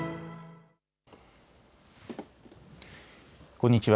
こんにちは。